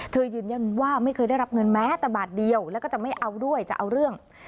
ยืนยันว่าไม่เคยได้รับเงินแม้แต่บาทเดียวแล้วก็จะไม่เอาด้วยจะเอาเรื่อง